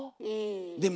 でも。